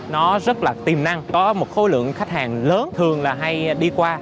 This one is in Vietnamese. nó rất là tiềm năng có một khối lượng khách hàng lớn thường là hay đi qua